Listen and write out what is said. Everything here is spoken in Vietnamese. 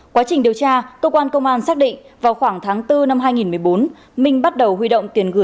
quá trình điều tra cơ quan công an xác định vào khoảng tháng bốn năm hai nghìn một mươi bốn